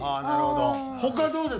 なるほど。